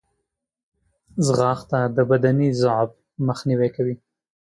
ځغاسته د بدني ضعف مخنیوی کوي